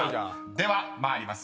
［では参ります。